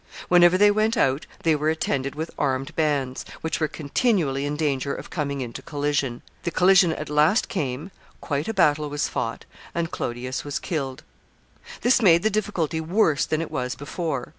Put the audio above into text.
Whenever they went out, they were attended with armed bands, which were continually in danger of coming into collision. The collision at last came, quite a battle was fought, and Clodius was killed. This made the difficulty worse than it was before.